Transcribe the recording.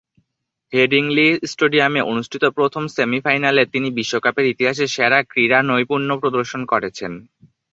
Headingley স্টেডিয়ামে অনুষ্ঠিত প্রথম সেমি-ফাইনালে তিনি বিশ্বকাপের ইতিহাসে সেরা ক্রীড়ানৈপুণ্য প্রদর্শন করেছেন।